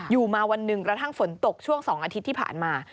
อยู่มาวันหนึ่งกระทั่งฝนตกช่วง๒อาทิตย์ที่ผ่านมา